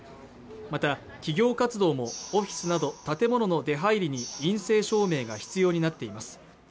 また企業活動もオフィスなど建物の出入りに陰性証明が必要になっています